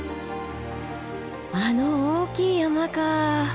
あの大きい山かあ。